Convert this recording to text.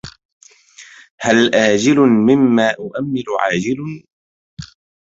هل آجل مما أؤمل عاجل